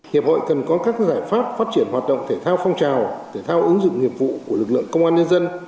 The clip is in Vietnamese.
hiệp hội cần có các giải pháp phát triển hoạt động thể thao phong trào thể thao ứng dụng nghiệp vụ của lực lượng công an nhân dân